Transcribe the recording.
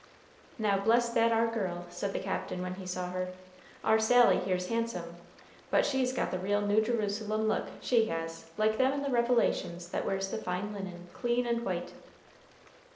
"Now bless that ar gal," said the Captain, when he saw her. "Our Sally here's handsome, but she's got the real New Jerusalem look, she has like them in the Revelations that wears the fine linen, clean and white."